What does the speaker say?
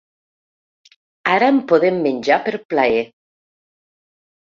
Ara en podem menjar per plaer.